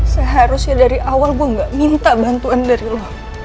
seharusnya dari awal gue gak minta bantuan dari luar